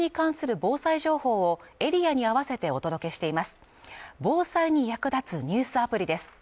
防災に役立つニュースアプリです